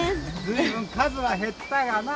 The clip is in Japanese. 随分数は減ったがな。